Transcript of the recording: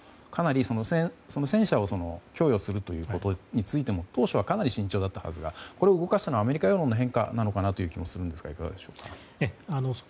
かなり、戦車を供与することについても当初はかなり慎重だったはずがこれを動かしたのはアメリカ世論の変化なのかなという気もするんですがいかがでしょう。